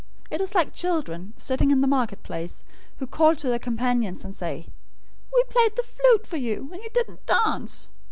It is like children sitting in the marketplaces, who call to their companions 011:017 and say, 'We played the flute for you, and you didn't dance.